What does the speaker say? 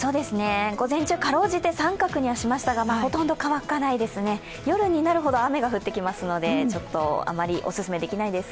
午前中かろうじて△にはしましたがほとんど乾かないですね、夜になるほど雨が降ってきますのであまりお勧めできないです。